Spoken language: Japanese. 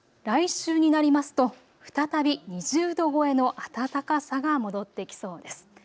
来週になりますと再び２０度超えの暖かさが戻ってきそうです。